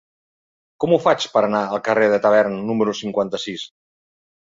Com ho faig per anar al carrer de Tavern número cinquanta-sis?